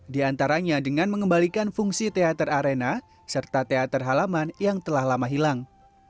di antaranya dengan mengembalikan fungsi teater arena serta teater halaman yang telah lama hilang